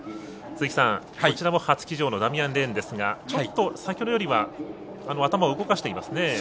鈴木さん、こちらも初騎乗のダミアン・レーンですがちょっと先ほどよりは頭を動かしていますね。